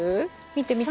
見て見て。